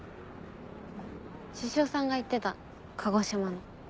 獅子王さんが言ってた鹿児島の。